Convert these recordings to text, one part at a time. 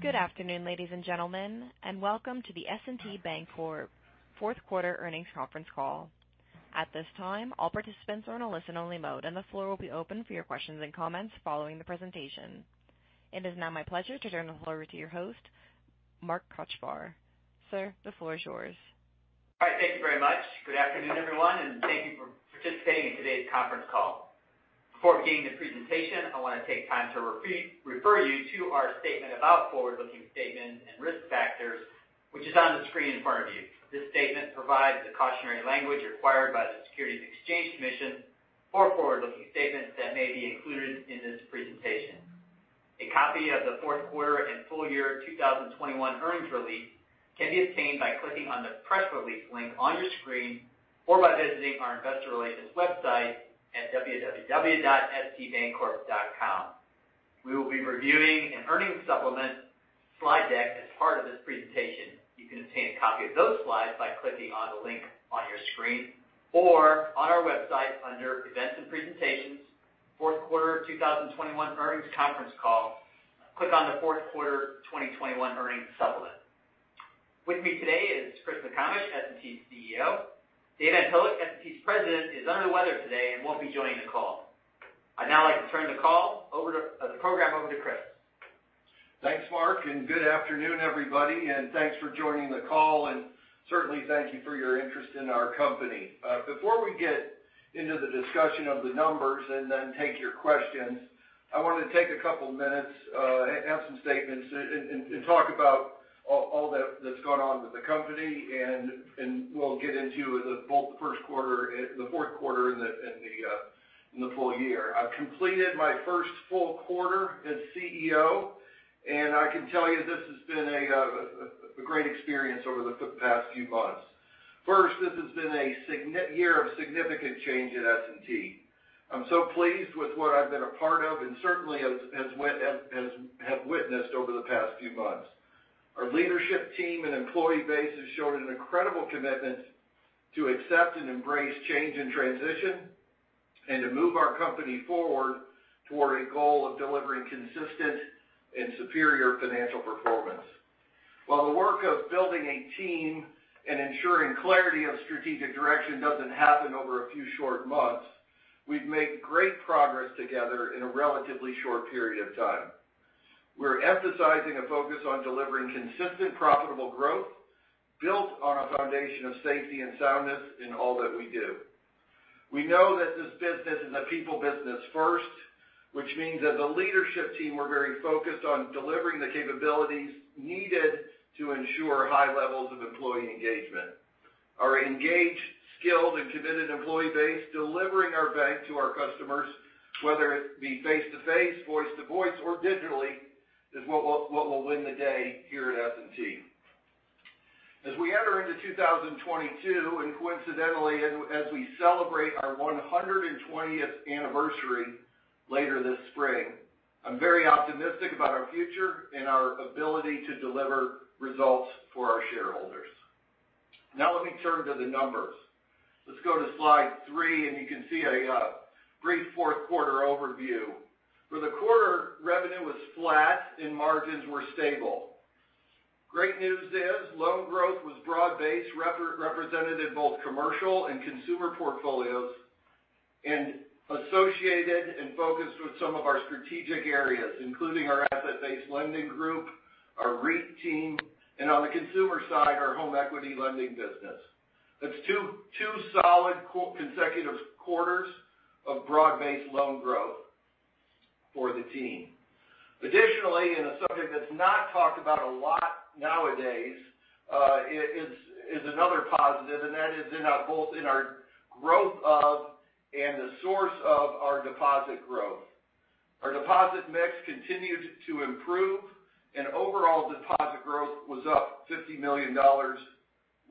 Good afternoon, ladies and gentlemen, and welcome to the S&T Bancorp fourth quarter earnings conference call. At this time, all participants are in a listen-only mode, and the floor will be open for your questions and comments following the presentation. It is now my pleasure to turn the floor to your host, Mark Kochvar. Sir, the floor is yours. All right. Thank you very much. Good afternoon, everyone, and thank you for participating in today's conference call. Before beginning the presentation, I wanna take time to refer you to our statement about forward-looking statements and risk factors, which is on the screen in front of you. This statement provides the cautionary language required by the Securities and Exchange Commission for forward-looking statements that may be included in this presentation. A copy of the Fourth Quarter and Full Year 2021 Earnings Release can be obtained by clicking on the Press Release link on your screen, or by visiting our investor relations website at www.stbancorp.com. We will be reviewing an earnings supplement slide deck as part of this presentation. You can obtain a copy of those slides by clicking on the link on your screen or on our website under Events and Presentations, Fourth Quarter 2021 Earnings Conference Call. Click on the Fourth Quarter 2021 Earnings Supplement. With me today is Chris McComish, S&T's CEO. Dave Antolik, S&T's president, is under the weather today and won't be joining the call. I'd now like to turn the program over to Chris. Thanks, Mark, and good afternoon, everybody. Thanks for joining the call, and certainly thank you for your interest in our company. Before we get into the discussion of the numbers and then take your questions, I wanted to take a couple minutes and have some statements and talk about all that that's gone on with the company and we'll get into both the first quarter and the fourth quarter and the full year. I've completed my first full quarter as CEO, and I can tell you this has been a great experience over the past few months. First, this has been a year of significant change at S&T. I'm so pleased with what I've been a part of and certainly has witnessed over the past few months. Our leadership team and employee base has shown an incredible commitment to accept and embrace change and transition, and to move our company forward toward a goal of delivering consistent and superior financial performance. While the work of building a team and ensuring clarity of strategic direction doesn't happen over a few short months, we've made great progress together in a relatively short period of time. We're emphasizing a focus on delivering consistent, profitable growth built on a foundation of safety and soundness in all that we do. We know that this business is a people business first, which means as a leadership team, we're very focused on delivering the capabilities needed to ensure high levels of employee engagement. Our engaged, skilled, and committed employee base delivering our bank to our customers, whether it be face-to-face, voice-to-voice, or digitally, is what will win the day here at S&T. As we enter into 2022, and coincidentally as we celebrate our 120th anniversary later this spring, I'm very optimistic about our future and our ability to deliver results for our shareholders. Now let me turn to the numbers. Let's go to slide three, and you can see a brief fourth quarter overview. For the quarter, revenue was flat and margins were stable. Great news is loan growth was broad-based, represented in both commercial and consumer portfolios, and associated and focused with some of our strategic areas, including our asset-based lending group, our REIT team, and on the consumer side, our home equity lending business. That's two solid consecutive quarters of broad-based loan growth for the team. Additionally, a subject that's not talked about a lot nowadays is another positive, and that is in both in our growth of and the source of our deposit growth. Our deposit mix continued to improve and overall deposit growth was up $50 million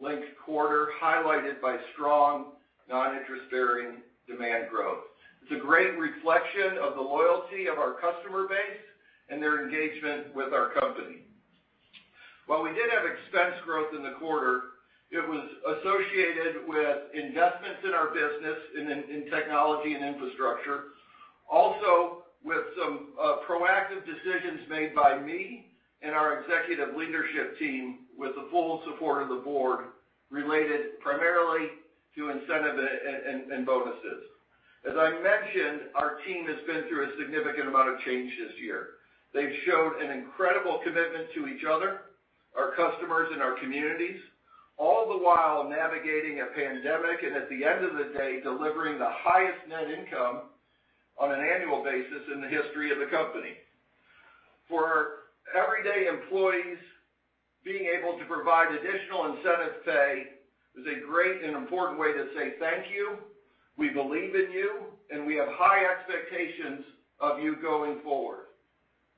linked quarter, highlighted by strong non-interest-bearing demand growth. It's a great reflection of the loyalty of our customer base and their engagement with our company. While we did have expense growth in the quarter, it was associated with investments in our business in technology and infrastructure. Also with some proactive decisions made by me and our executive leadership team with the full support of the board, related primarily to incentive and bonuses. As I mentioned, our team has been through a significant amount of change this year. They've shown an incredible commitment to each other, our customers, and our communities, all the while navigating a pandemic and at the end of the day, delivering the highest net income on an annual basis in the history of the company. For everyday employees, being able to provide additional incentive pay is a great and important way to say thank you, we believe in you, and we have high expectations of you going forward.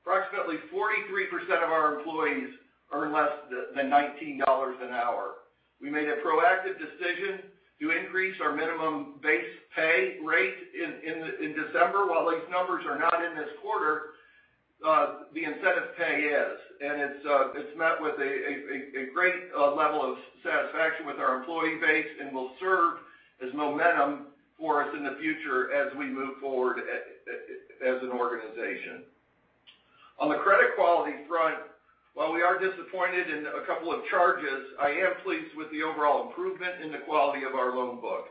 Approximately 43% of our employees earn less than $19 an hour. We made a proactive decision to increase our minimum base pay rate in December. While these numbers are not in this quarter, the incentive pay is, and it's met with a great level of satisfaction with our employee base and will serve as momentum for us in the future as we move forward as an organization. On the credit quality front, while we are disappointed in a couple of charges, I am pleased with the overall improvement in the quality of our loan book.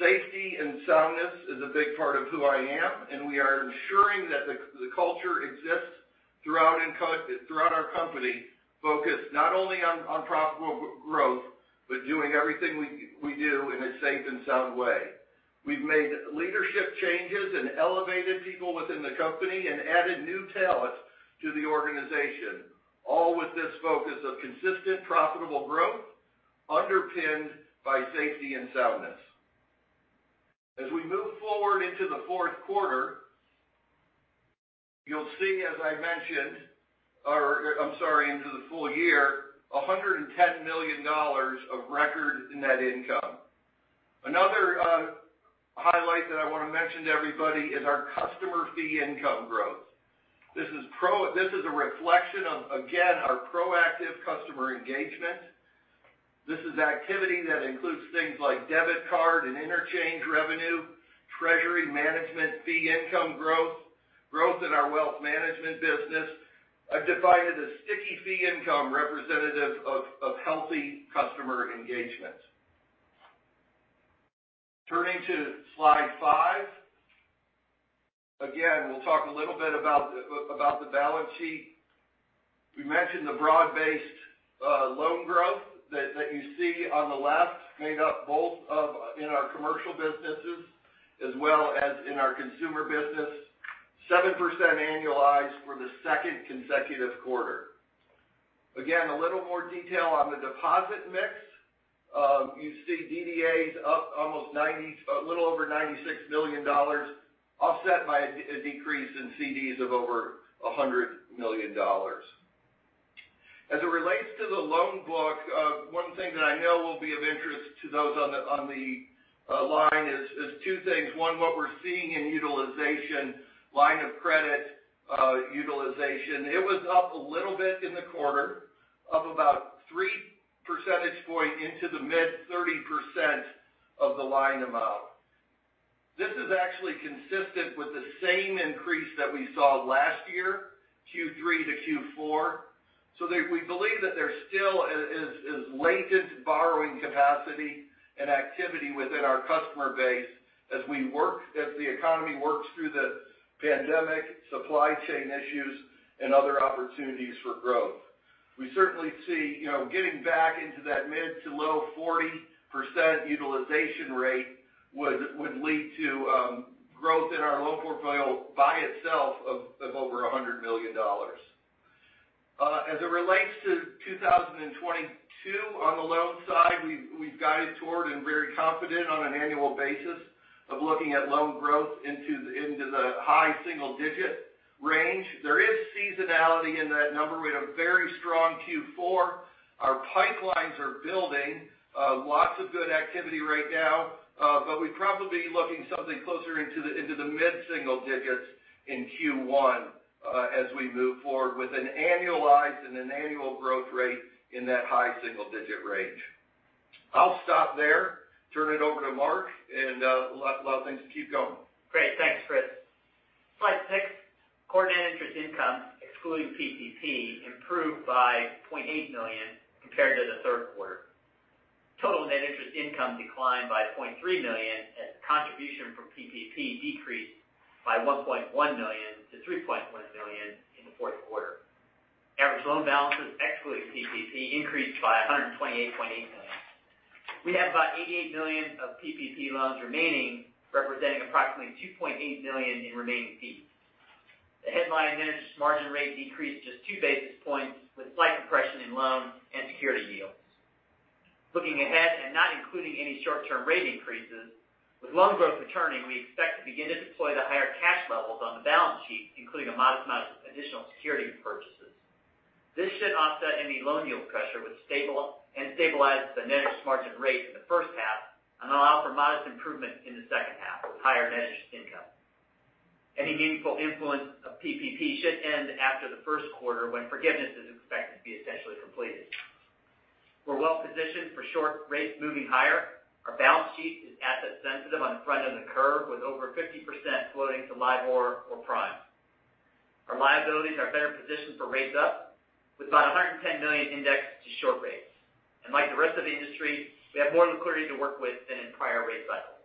Safety and soundness is a big part of who I am, and we are ensuring that the culture exists throughout our company, focused not only on profitable growth, but doing everything we do in a safe and sound way. We've made leadership changes and elevated people within the company and added new talent to the organization, all with this focus of consistent profitable growth underpinned by safety and soundness. As we move forward into the fourth quarter, you'll see, as I mentioned, into the full year, $110 million of record in net income. Another highlight that I wanna mention to everybody is our customer fee income growth. This is a reflection of, again, our proactive customer engagement. This is activity that includes things like debit card and interchange revenue, treasury management fee income growth in our wealth management business. I've defined it as sticky fee income representative of healthy customer engagement. Turning to slide five. Again, we'll talk a little bit about the balance sheet. We mentioned the broad-based loan growth that you see on the left made up in our commercial businesses as well as in our consumer business, 7% annualized for the second consecutive quarter. Again, a little more detail on the deposit mix. You see DDAs up almost a little over $96 million, offset by a decrease in CDs of over $100 million. As it relates to the loan book, one thing that I know will be of interest to those on the line is two things. One, what we're seeing in utilization, line of credit utilization. It was up a little bit in the quarter, up about 3 percentage points into the mid 30% of the line amount. This is actually consistent with the same increase that we saw last year, Q3 to Q4. We believe that there still is latent borrowing capacity and activity within our customer base as the economy works through the pandemic, supply chain issues, and other opportunities for growth. We certainly see, you know, getting back into that mid- to low-40% utilization rate would lead to growth in our loan portfolio by itself of over $100 million. As it relates to 2022 on the loan side, we've guided toward and very confident on an annual basis of looking at loan growth into the high single-digit range. There is seasonality in that number. We had a very strong Q4. Our pipelines are building, lots of good activity right now. We'd probably be looking something closer to the mid-single digits in Q1, as we move forward with an annualized and an annual growth rate in that high single-digit range. I'll stop there, turn it over to Mark, and we'll let things keep going. Great. Thanks, Chris. Slide six. Core net interest income, excluding PPP, improved by $0.8 million compared to the third quarter. Total net interest income declined by $0.3 million as contribution from PPP decreased by $1.1 million to $3.1 million in the fourth quarter. Average loan balances excluding PPP increased by $128.8 million. We have about $88 million of PPP loans remaining, representing approximately $2.8 million in remaining fees. The headline net interest margin rate decreased just 2 basis points with slight compression in loan and security yields. Looking ahead, and not including any short-term rate increases, with loan growth returning, we expect to begin to deploy the higher cash levels on the balance sheet, including a modest amount of additional security purchases. This should offset any loan yield pressure with stable and stabilize the net interest margin rate in the first half and allow for modest improvement in the second half with higher net interest income. Any meaningful influence of PPP should end after the first quarter when forgiveness is expected to be essentially completed. We're well positioned for short rates moving higher. Our balance sheet is asset sensitive on front of the curve with over 50% floating to LIBOR or prime. Our liabilities are better positioned for rates up with about $110 million indexed to short rates. Like the rest of the industry, we have more liquidity to work with than in prior rate cycles.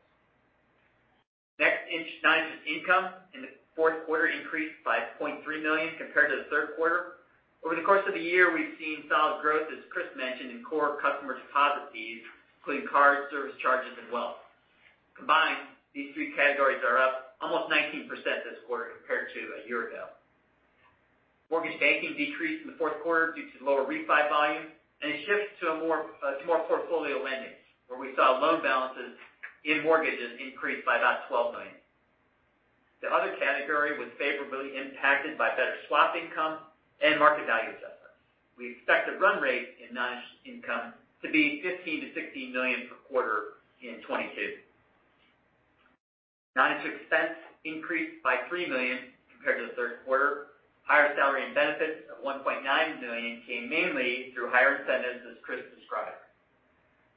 Next, non-interest income in the fourth quarter increased by $0.3 million compared to the third quarter. Over the course of the year, we've seen solid growth, as Chris mentioned, in core customer deposit fees, including card service charges and wealth. Combined, these three categories are up almost 19% this quarter compared to a year ago. Mortgage banking decreased in the fourth quarter due to lower refi volume, and it shifts to more portfolio lending, where we saw loan balances in mortgages increase by about $12 million. The other category was favorably impacted by better swap income and market value adjustments. We expect the run rate in non-interest income to be $15 million-$16 million per quarter in 2022. Non-interest expense increased by $3 million compared to the third quarter. Higher salary and benefits of $1.9 million came mainly through higher incentives, as Chris described.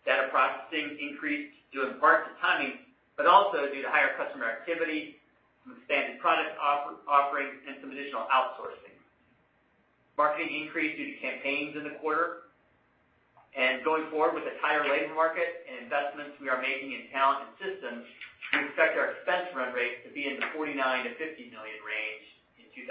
Data processing increased due in part to timing, but also due to higher customer activity from expanded product offerings and some additional outsourcing. Marketing increased due to campaigns in the quarter. Going forward with this higher rate market and investments we are making in talent and systems, we expect our expense run rate to be in the $49 million-$50 million range in 2022.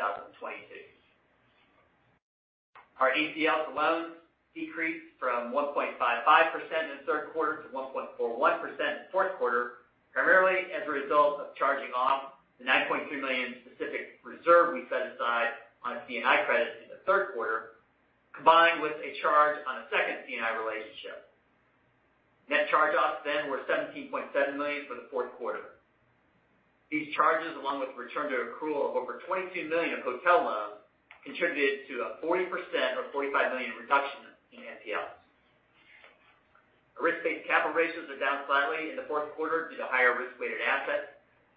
Our ACL loans decreased from 1.55% in the third quarter to 1.41% in the fourth quarter, primarily as a result of charging off the $9.3 million specific reserve we set aside on a C&I credit in the third quarter, combined with a charge on a second C&I relationship. Net charge-offs then were $17.7 million for the fourth quarter. These charges, along with the return to accrual of over $22 million of hotel loans, contributed to a 40% or $45 million reduction in NPLs. Our risk-based capital ratios are down slightly in the fourth quarter due to higher risk-weighted assets,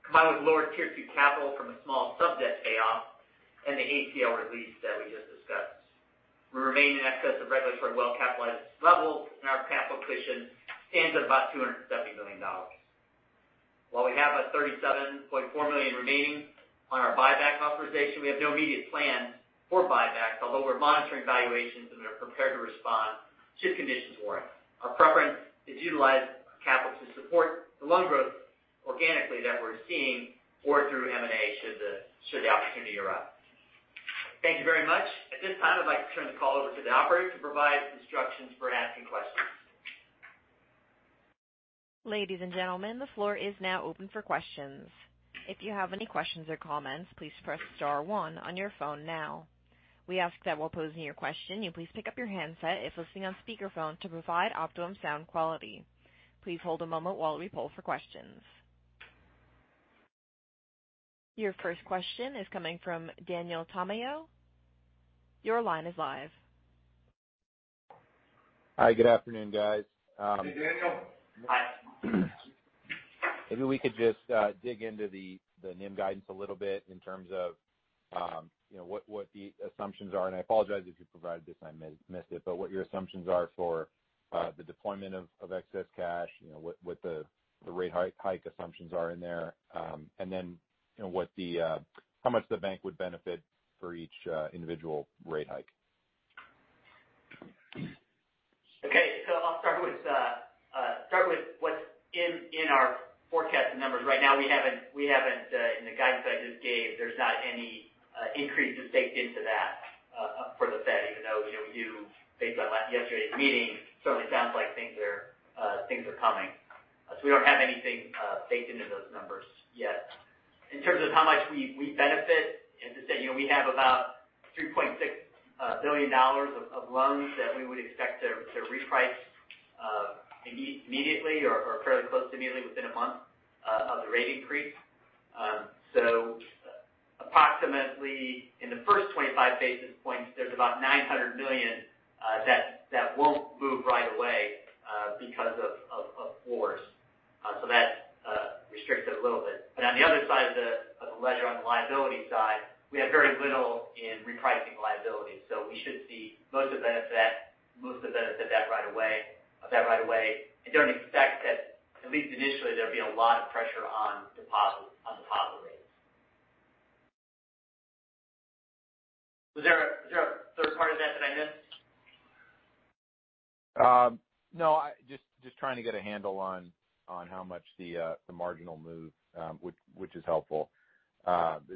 combined with lower Tier 2 capital from a small sub-debt payoff and the ACL release that we just discussed. We remain in excess of regulatory well-capitalized levels, and our capital cushion stands at about $270 million. While we have a $37.4 million remaining on our buyback authorization, we have no immediate plans for buybacks, although we're monitoring valuations and are prepared to respond should conditions warrant. Our preference is to utilize capital to support the loan growth organically that we're seeing or through M&A should the opportunity arise. Thank you very much. At this time, I'd like to turn the call over to the operator to provide instructions for asking questions. Ladies and gentlemen, the floor is now open for questions. If you have any questions or comments, please press star one on your phone now. We ask that while posing your question, you please pick up your handset if listening on speakerphone to provide optimum sound quality. Please hold a moment while we poll for questions. Your first question is coming from Daniel Tamayo. Your line is live. Hi, good afternoon, guys. Hey, Daniel. Maybe we could just dig into the NIM guidance a little bit in terms of, you know, what the assumptions are. I apologize if you provided this and I missed it, but what your assumptions are for the deployment of excess cash, you know, what the rate hike assumptions are in there. You know, how much the bank would benefit for each individual rate hike. Okay. I'll start with what's in our forecasted numbers. Right now, we haven't in the guidance I just gave, there's not any increases baked into that for the Fed, even though, you know, we do based on yesterday's meeting, certainly sounds like things are coming. We don't have anything baked into those numbers yet. In terms of how much we benefit, as I said, you know, we have about $3.6 billion of loans that we would expect to reprice immediately or fairly close to immediately within a month of the rate increase. So approximately in the first 25 basis points, there's about $900 million that won't move right away because of floors. That restricts it a little bit. On the other side of the ledger, on the liability side, we have very little in repricing liabilities. We should see most of the benefit of that right away. I don't expect that, at least initially, there'll be a lot of pressure on deposit rates. Was there a third part of that that I missed? No. I just trying to get a handle on how much the marginal move, which is helpful. The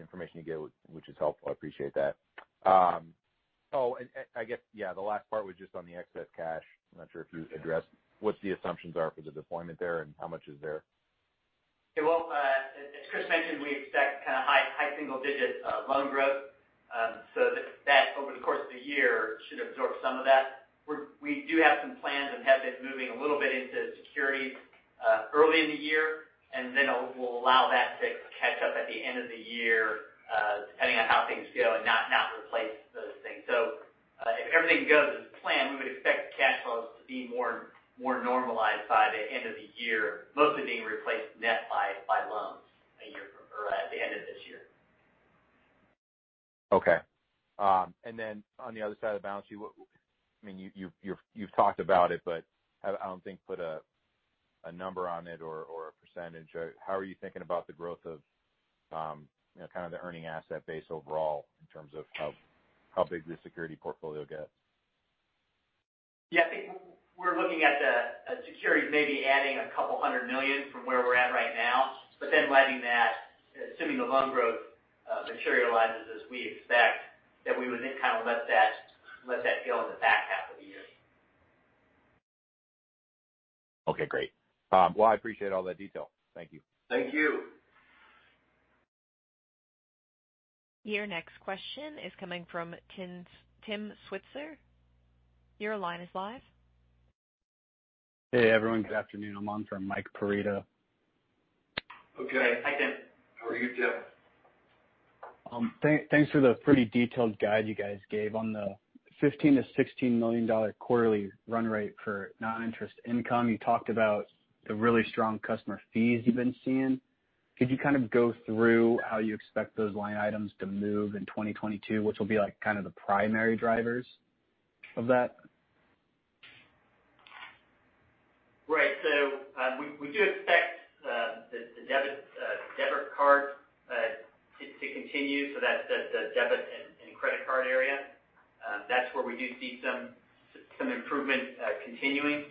information you gave, which is helpful. I appreciate that. Oh, I guess, yeah, the last part was just on the excess cash. I'm not sure if you addressed what the assumptions are for the deployment there and how much is there. Yeah. Well, as Chris mentioned, we expect kind of high single-digit loan growth. That over the course of the year should absorb some of that. We do have some plans and have been moving a little bit into securities early in the year and then will allow that to catch up at the end of the year depending on how things go and not replace those things. If everything goes as planned, we would expect cash flows to be more normalized by the end of the year, mostly being replaced net by loans or at the end of this year. On the other side of the balance sheet, I mean, you've talked about it, but I don't think you've put a number on it or a percentage. How are you thinking about the growth of, you know, kind of the earning asset base overall in terms of how big the security portfolio will get? Yeah. I think we're looking at the securities maybe adding a couple of hundred million from where we're at right now. Letting that, assuming the loan growth materializes as we expect that we would then kind of let that go in the back half of the year. Okay, great. Well, I appreciate all that detail. Thank you. Thank you. Your next question is coming from Tim Switzer. Your line is live. Hey, everyone. Good afternoon. I'm on for Mike Perito. Okay. Hi, Tim. How are you, Tim? Thanks for the pretty detailed guide you guys gave. On the $15 million-$16 million quarterly run rate for non-interest income, you talked about the really strong customer fees you've been seeing. Could you kind of go through how you expect those line items to move in 2022, which will be like kind of the primary drivers of that? Right. We do expect the debit card to continue, so that's the debit and credit card area. That's where we do see some improvement continuing.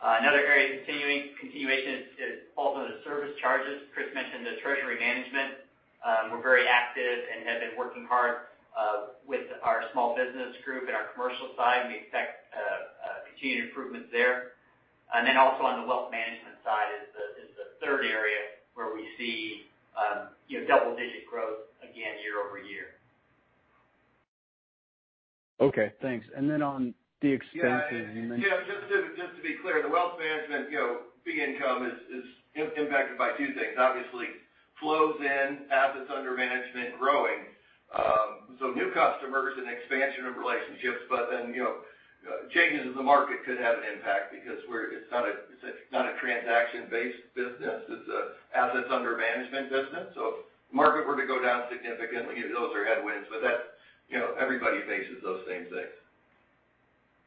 Another area continuation is also the service charges. Chris mentioned the treasury management. We're very active and have been working hard with our small business group and our commercial side, and we expect continued improvements there. Then also on the wealth management side is the third area where we see you know, double digit growth again year-over-year. Okay, thanks. On the expenses. Yeah, just to be clear, the wealth management, you know, fee income is impacted by two things. Obviously, inflows, assets under management growing, so new customers and expansion of relationships. You know, changes in the market could have an impact because it's not a transaction-based business, it's an assets under management business. If the market were to go down significantly, those are headwinds. That's, you know, everybody faces those same things.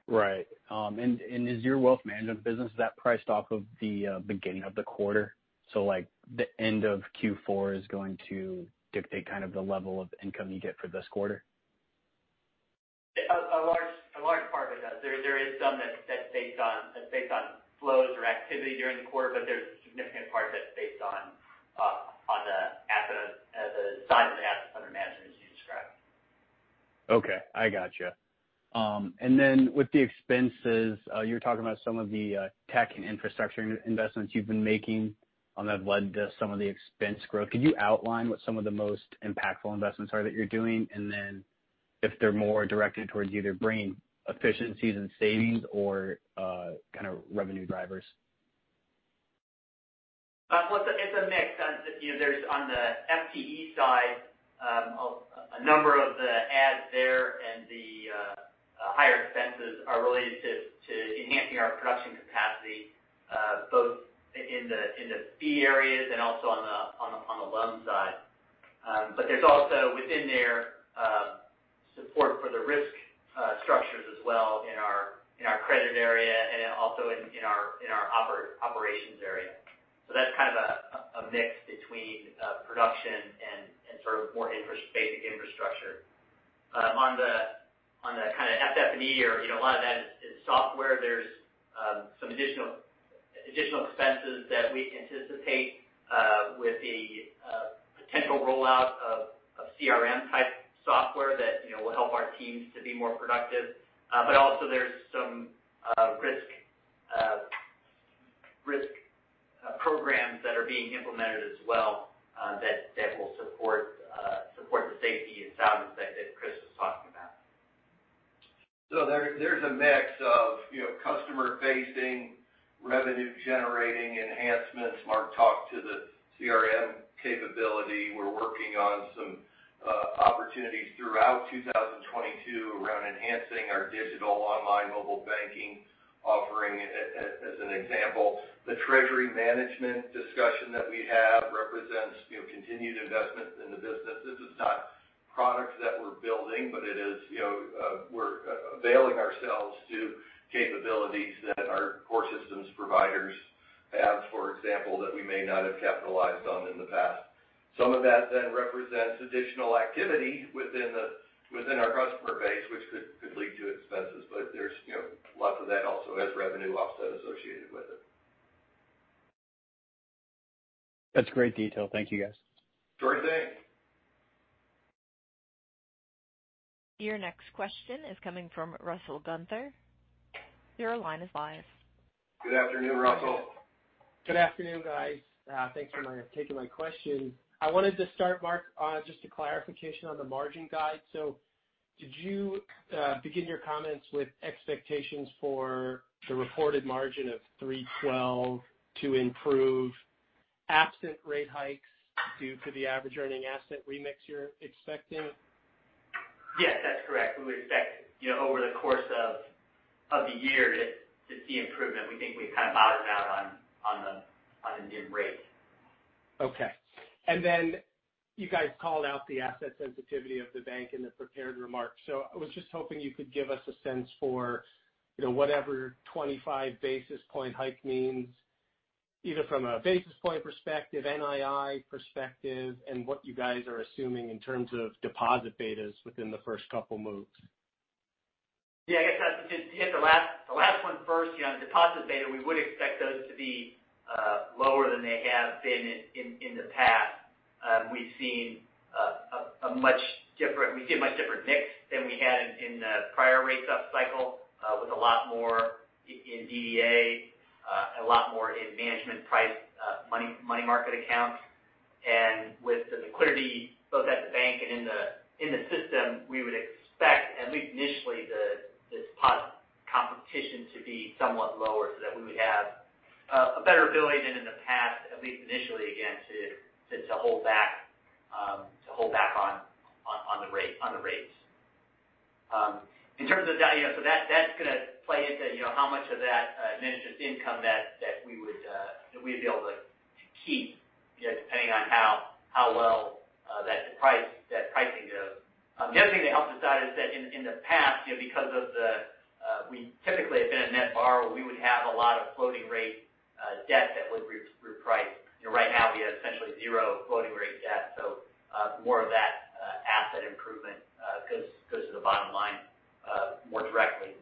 Right. And is your wealth management business, is that priced off of the beginning of the quarter? Like the end of Q4 is going to dictate kind of the level of income you get for this quarter? A large part of it does. There is some that's based on flows or activity during the quarter, but there's a significant part that's based on the size of the assets under management, as you described. Okay, I gotcha. With the expenses, you were talking about some of the tech and infrastructure investments you've been making and have led to some of the expense growth. Could you outline what some of the most impactful investments are that you're doing? If they're more directed towards either bringing efficiencies and savings or kind of revenue drivers. Well, it's a mix. You know, on the FTE side, a number of the adds there and the higher expenses are related to enhancing our production capacity, both in the fee areas and also on the loan side. But there's also within there, support for the risk structures as well in our credit area and also in our operations area. That's kind of a mix between production and sort of more basic infrastructure. On the kind of FF&E, yeah, you know, a lot of that is software. There's some additional expenses that we anticipate with the potential rollout of CRM type software that you know will help our teams to be more productive. Also there's some risk programs that are being implemented as well that will support the safety and soundness that Chris was talking about. There's a mix of, you know, customer-facing, revenue-generating enhancements. Mark talked to the CRM capability. We're working on some opportunities throughout 2022 around enhancing our digital online mobile banking offering, as an example. The treasury management discussion that we have represents, you know, continued investment in the business. This is not products that we're building, but it is, you know, we're availing ourselves to capabilities that our core systems providers have, for example, that we may not have capitalized on in the past. Some of that then represents additional activity within our customer base, which could lead to expenses. There's, you know, lots of that also has revenue offset associated with it. That's great detail. Thank you, guys. Sure thing. Your next question is coming from Russell Gunther. Your line is live. Good afternoon, Russell. Good afternoon, guys. Thanks for taking my question. I wanted to start, Mark, on just a clarification on the margin guide. Did you begin your comments with expectations for the reported margin of 3.12% to improve absent rate hikes due to the average earning asset remix you're expecting? Yes, that's correct. We expect, you know, over the course of the year to see improvement. We think we've kind of bottomed out on the NIM rate. Okay. You guys called out the asset sensitivity of the bank in the prepared remarks. I was just hoping you could give us a sense for, you know, whatever 25 basis point hike means, either from a basis point perspective, NII perspective, and what you guys are assuming in terms of deposit betas within the first couple moves. Yeah, I guess I'll just hit the last one first. You know, on the deposit beta, we would expect those to be lower than they have been in the past. We've seen a much different mix than we had in the prior rate up cycle, with a lot more in DDA, a lot more in managed-price money market accounts. With the liquidity both at the bank and in the system, we would expect at least initially, the deposit competition to be somewhat lower so that we would have a better ability than in the past, at least initially, again, to hold back on the rates. In terms of value, that's gonna play into, you know, how much of that net interest income that we'd be able to keep, you know, depending on how well that pricing goes. The other thing that helped us out is that in the past, you know, because we typically have been a net borrower, we would have a lot of floating rate debt that would reprice. You know, right now, we have essentially zero floating rate debt, so more of that asset improvement goes to the bottom line more directly.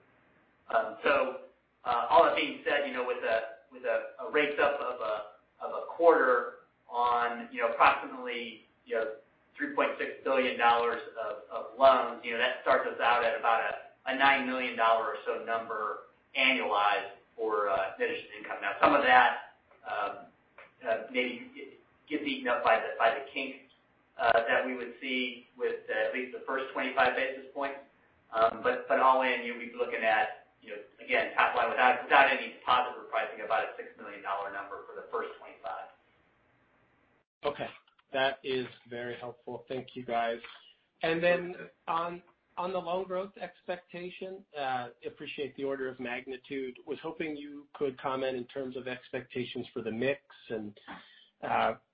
All that being said, you know, with a rate step of a quarter on, you know, approximately $3.6 billion of loans, you know, that starts us out at about a $9 million or so number annualized for net interest income. Now, some of that maybe get eaten up by the funding that we would see with at least the first 25 basis points. All in, you know, we'd be looking at, you know, again, top line without any positive repricing, about a $6 million number for the first 25. Okay. That is very helpful. Thank you, guys. Then on the loan growth expectation, appreciate the order of magnitude. Was hoping you could comment in terms of expectations for the mix and,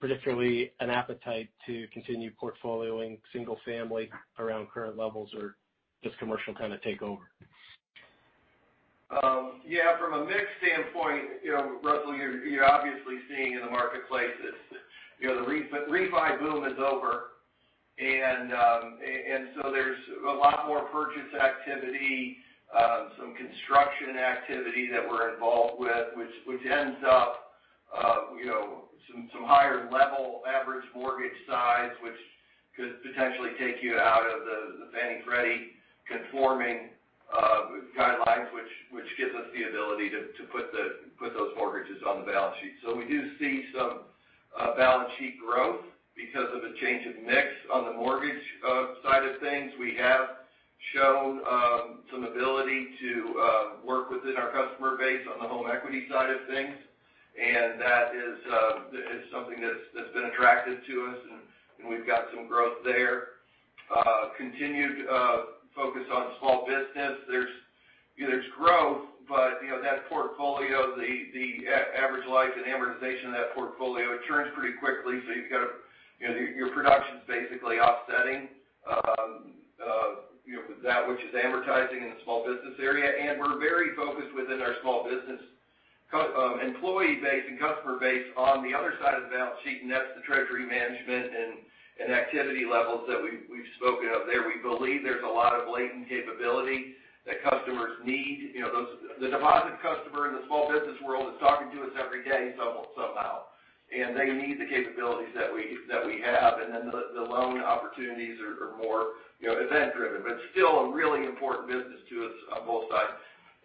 particularly an appetite to continue portfolioing single family around current levels or does commercial kind of take over? Yeah, from a mix standpoint, you know, Russell, you're obviously seeing in the marketplace this, you know, the refi boom is over. So there's a lot more purchase activity, some construction activity that we're involved with, which ends up, you know, some higher level average mortgage size, which could potentially take you out of the Fannie/Freddie conforming guidelines, which gives us the ability to put those mortgages on the balance sheet. We do see some balance sheet growth because of a change of mix on the mortgage side of things. We have shown some ability to work within our customer base on the home equity side of things. That is something that's been attractive to us, and we've got some growth there. Continued focus on small business. There's growth, but that portfolio, the average life and amortization of that portfolio, it turns pretty quickly. You've got to, you know, your production's basically offsetting that which is amortizing in the small business area. We're very focused within our small business employee base and customer base on the other side of the balance sheet, and that's the treasury management and activity levels that we've spoken of there. We believe there's a lot of latent capability that customers need. You know, those, the deposit customer in the small business world is talking to us every day somehow, and they need the capabilities that we have. The loan opportunities are more, you know, event driven, but still a really important business to us on both sides.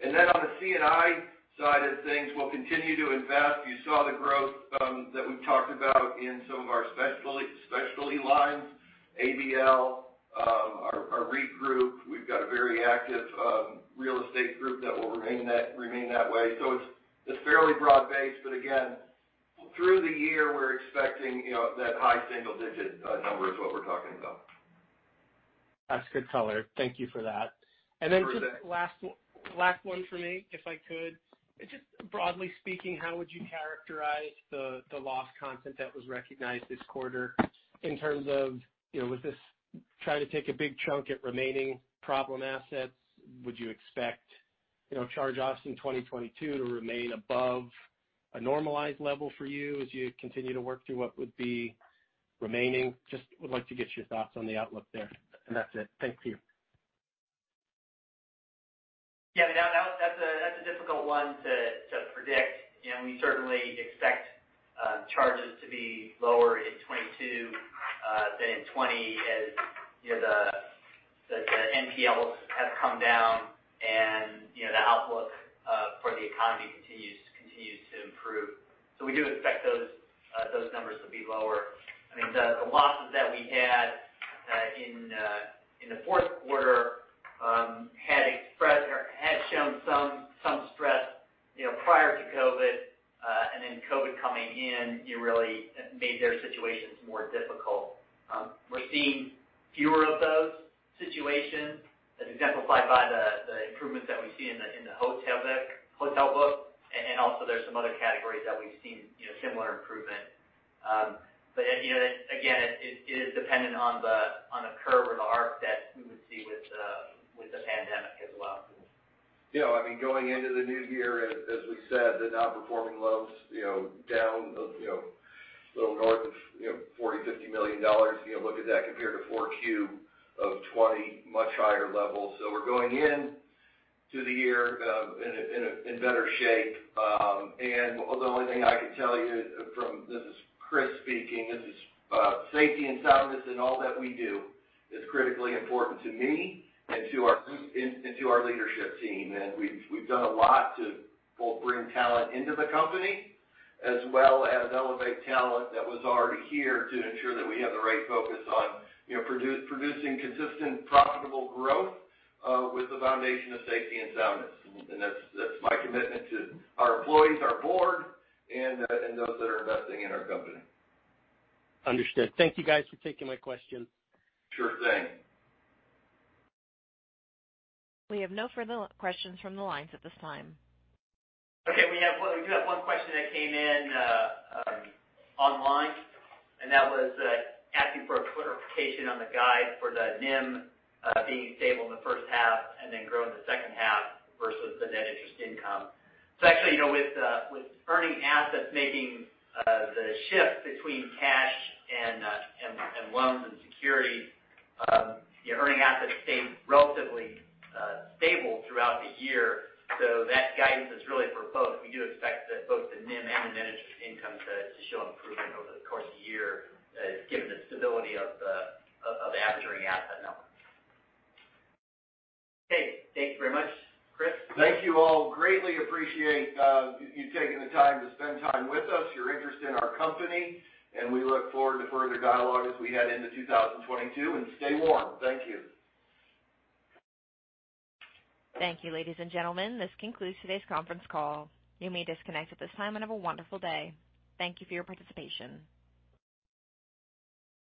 On the C&I side of things, we'll continue to invest. You saw the growth that we talked about in some of our specialty lines, ABL, our REIT group. We've got a very active real estate group that will remain that way. It's fairly broad-based. Again, through the year, we're expecting, you know, that high single digit number is what we're talking about. That's good color. Thank you for that. Sure thing. Then just last one from me, if I could. Just broadly speaking, how would you characterize the loss content that was recognized this quarter in terms of, you know, was this try to take a big chunk at remaining problem assets? Would you expect, you know, charge-offs in 2022 to remain above a normalized level for you as you continue to work through what would be remaining? Just would like to get your thoughts on the outlook there. That's it. Thank you. Yeah. No, that's a difficult one to predict. You know, we certainly expect charges to be lower in 2022 than in 2020 as you know, the NPLs have come down and you know, the outlook for the economy continues to improve. We do expect those numbers to be lower. I mean, the losses that we had in the fourth quarter had expressed or had shown some stress you know, prior to COVID and then COVID coming in, it really made their situations more difficult. We're seeing fewer of those situations as exemplified by the improvements that we see in the hotel book. Also there's some other categories that we've seen you know, similar improvement. You know, again, it is dependent on the curve or the arc that we would see with the pandemic as well. You know, I mean, going into the new year, as we said, the non-performing loans, you know, down, you know, a little north of, you know, $40 million-$50 million. You know, look at that compared to 4Q of 2020, much higher levels. We're going into the year in better shape. The only thing I can tell you from this is Chris speaking. Safety and soundness in all that we do is critically important to me and to our leadership team. We've done a lot to both bring talent into the company as well as elevate talent that was already here to ensure that we have the right focus on, you know, producing consistent, profitable growth with the foundation of safety and soundness. That's my commitment to our employees, our board, and those that are investing in our company. Understood. Thank you guys for taking my questions. Sure thing. We have no further questions from the lines at this time. Okay. We have one question that came in online, and that was asking for a clarification on the guide for the NIM being stable in the first half and then grow in the second half versus the net interest income. Actually, you know, with earning assets making the shift between cash and loans and securities, your earning assets stayed relatively stable throughout the year. That guidance is really for both. We do expect that both the NIM and the net interest income to show improvement over the course of the year, given the stability of the average asset level. Okay. Thank you very much, Chris. Thank you all. Greatly appreciate you taking the time to spend time with us, your interest in our company, and we look forward to further dialogue as we head into 2022. Stay warm. Thank you. Thank you, ladies and gentlemen. This concludes today's conference call. You may disconnect at this time, and have a wonderful day. Thank you for your participation.